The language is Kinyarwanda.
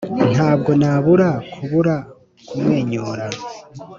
ntabwo nabura kubura kumwenyura;